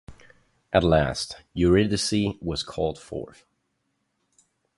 At last, Eurydice was called forth.